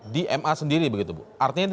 di ma sendiri begitu bu artinya